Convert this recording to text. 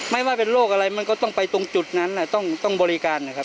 ไม่ว่าเป็นโรคอะไรมันก็ต้องไปตรงจุดนั้นต้องบริการนะครับ